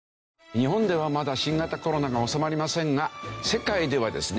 日本ではまだ新型コロナが収まりませんが世界ではですね